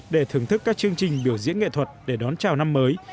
để thưởng thức các chương trình biểu diễn nghệ thuật để đón chào năm mới